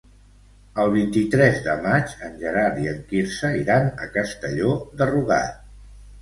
El vint-i-tres de maig en Gerard i en Quirze iran a Castelló de Rugat.